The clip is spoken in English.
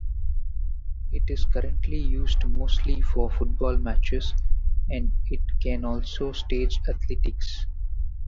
It is currently used mostly for football matches and it can also stage athletics.